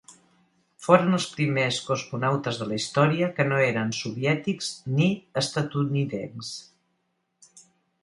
Foren els primers cosmonautes de la història que no eren soviètics ni estatunidencs.